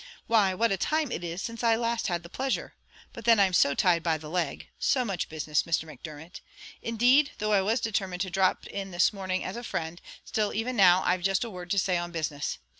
Why, what a time it is since I last had the pleasure but then I'm so tied by the leg so much business, Mr. Macdermot; indeed, though I was determined to drop in this morning as a friend, still even now I've just a word to say on business.